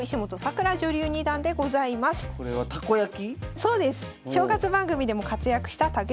そうです。